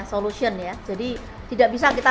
solution ya jadi tidak bisa kita